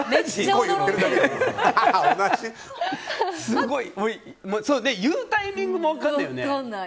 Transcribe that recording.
すごい、言うタイミングも分からないよね。